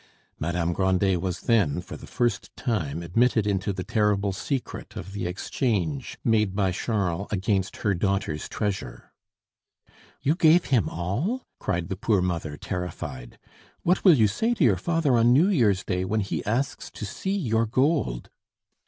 Madame Grandet was then for the first time admitted into the terrible secret of the exchange made by Charles against her daughter's treasure. "You gave him all!" cried the poor mother, terrified. "What will you say to your father on New Year's Day when he asks to see your gold?"